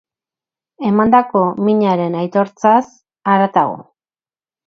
Emandako minaren aitortzaz haratago.